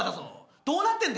どうなってんだよ。